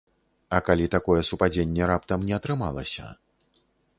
А калі такое супадзенне раптам не атрымалася?